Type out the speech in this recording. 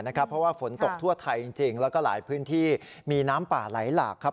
เพราะว่าฝนตกทั่วไทยจริงแล้วก็หลายพื้นที่มีน้ำป่าไหลหลากครับ